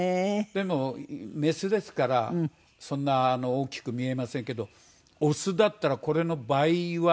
でもメスですからそんな大きく見えませんけどオスだったらこれの倍はありますね。